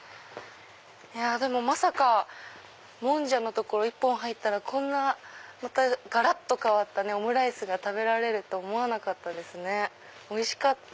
でもまさかもんじゃのところ一本入ったらこんな変わったオムライスが食べられると思わなかったですねおいしかった！